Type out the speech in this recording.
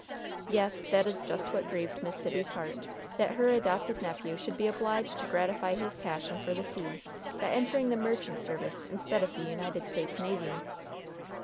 "Yet that is just what grieved Miss Sibby's heart that her adopted nephew should be obliged to gratify his passion for the sea by entering the merchant service instead of the United States Navy."